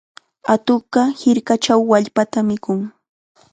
Atuqqa hirkachaw wallpatam mikun.